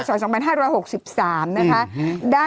ยังไม่ได้ตอบรับหรือเปล่ายังไม่ได้ตอบรับหรือเปล่า